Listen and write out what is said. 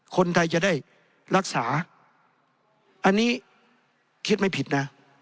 คนไทยจะได้รักษาอันนี้คิดไม่ผิดนะ